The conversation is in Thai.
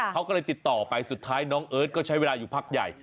เขาก็เลยติดต่อไปสุดท้ายน้องเอิร์ทก็ใช้เวลาอยู่พักใหญ่